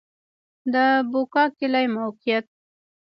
د بکوا کلی موقعیت